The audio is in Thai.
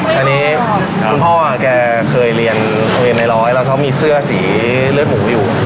ตอนนี้คุณพ่ออ่ะกับเราเคยเรียนในร้อยแล้วมีเสื้อสีเลือดหมูอยู่